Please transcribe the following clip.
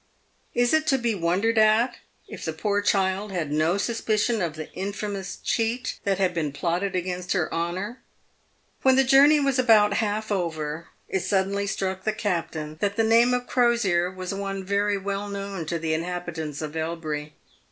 Is it to be wondered at if the poor child had no suspicion of the infamous cheat that had been plotted against her honour ? When the journey was about half over, it suddenly struck the cap tain that the name of Crosier was one very well known to the inhabi tants of Elbury.